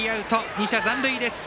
２者残塁です。